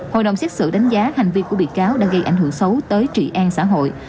hội đồng xét xử đánh giá hành vi của bị cáo đã gây ảnh hưởng xấu tới trị an xã hội